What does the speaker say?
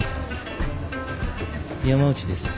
山内です。